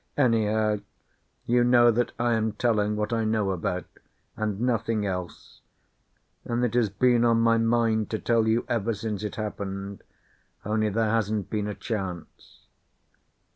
Anyhow, you know that I am telling what I know about, and nothing else; and it has been on my mind to tell you ever since it happened, only there hasn't been a chance.